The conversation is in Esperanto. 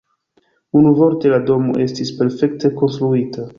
Unuvorte la domo estis perfekte konstruita.